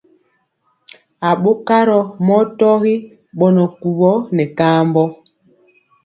Aɓokarɔ mɔ tɔgi ɓɔnɔ kuwɔ nɛ kaambɔ.